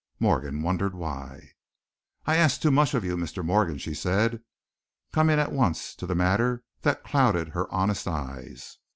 Morgan wondered why. "I asked too much of you, Mr. Morgan," she said, coming at once to the matter that clouded her honest eyes.